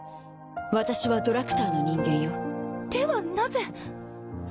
私はドラクターの人間よではなぜ？